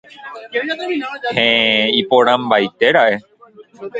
Heẽ... iporãmbaite ra'e.